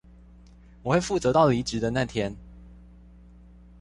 我會負責到離職的那天